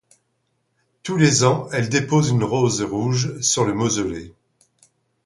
Tous les ans, elle dépose une rose rouge sur le mausolée.